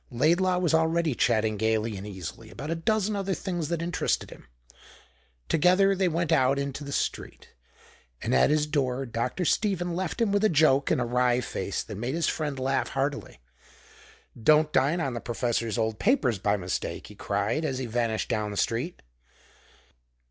Laidlaw was already chatting gaily and easily about a dozen other things that interested him. Together they went out into the street, and at his door Dr. Stephen left him with a joke and a wry face that made his friend laugh heartily. "Don't dine on the professor's old papers by mistake," he cried, as he vanished down the street.